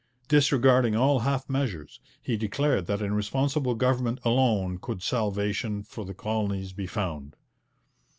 Disregarding all half measures, he declared that in Responsible Government alone could salvation for the colonies be found.